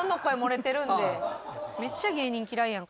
めっちゃ芸人嫌いやん